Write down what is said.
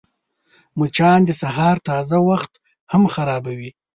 مچان د سهار تازه وخت هم خرابوي